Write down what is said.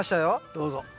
どうぞ。